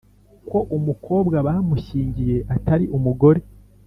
ko umukobwa bamushyingiye atari umugore